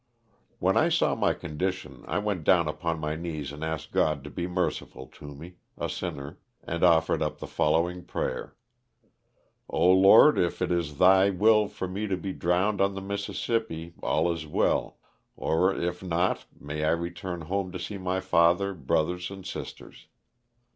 When I saw my condition I went down upon my knees and asked God to be merciful to me, a sinner, and offered up the following prayer: "0 Lord, if it is thy will for me to be drowned in the Mississippi all is well, or, it not, may I return home to see my father, brothers, and sisters."